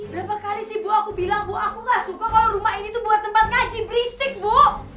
berapa kali sih bu aku bilang bu aku gak suka kalau rumah ini tuh buat tempat ngaji berisik bu